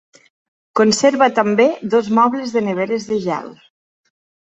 Conserva també dos mobles de neveres de gel.